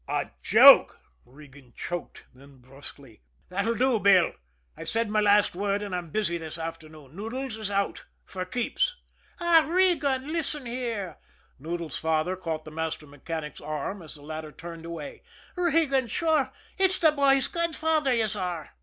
"A joke!" Regan choked; then brusquely: "That'll do, Bill. I've said my last word, and I'm busy this afternoon. Noodles is out for keeps." "Ah, Regan, listen here" Noodles' father caught the master mechanic's arm, as the latter turned away. "Regan, sure, ut's the bhoy's godfather yez are."